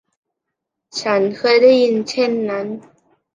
ฉันเคยได้ยินเช่นนั้น